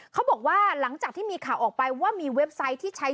เขาบอกว่าหลังจากที่มีข่าวออกไปว่ามีเว็บไซต์ที่ใช้